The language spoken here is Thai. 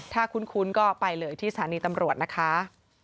ถ้าคุ้นก็ไปเลยที่สถานีตำรวจนะคะ